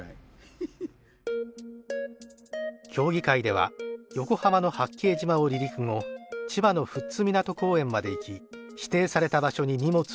競技会では横浜の八景島を離陸後千葉の富津みなと公園まで行き指定された場所に荷物を投下。